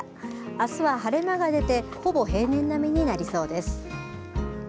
あすは晴れ間が出てほぼ平年並みになりそうです。